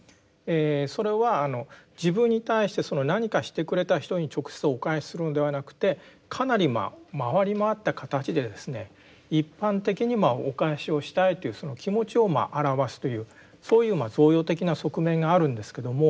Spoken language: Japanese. それはあの自分に対して何かしてくれた人に直接お返しするのではなくてかなり回り回った形で一般的にお返しをしたいという気持ちを表すというそういう贈与的な側面があるんですけども。